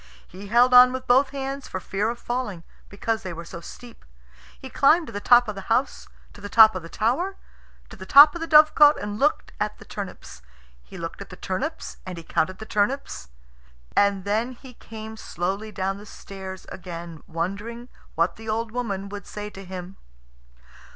He held on with both hands for fear of falling, because they were so steep. He climbed to the top of the house, to the top of the tower, to the top of the dovecot, and looked at the turnips. He looked at the turnips, and he counted the turnips, and then he came slowly down the stairs again wondering what the old woman would say to him.